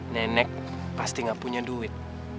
nenek pasti nggak punya duit